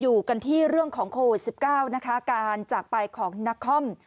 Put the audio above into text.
อยู่กันที่เรื่องของโควิด๑๙นะคะการจากไปของนักคอม